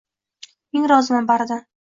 Ming roziman baridan!